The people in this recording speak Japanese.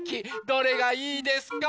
どれがいいですか？